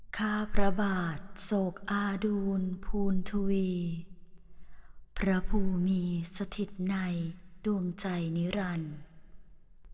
ข้าพระบาทโศกอาดูลภูณทวีพระภูมิมีสถิตในดวงใจนิรันดิ์